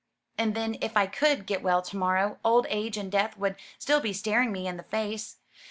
And then if I could get well to morrow, old age and death would still be staring me in the face.